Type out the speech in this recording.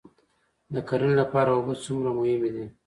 د کرنې لپاره اوبه څومره مهمې دي؟